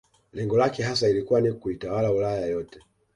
Lengo lake hasa ilikuwa ni kuitawala Ulaya yote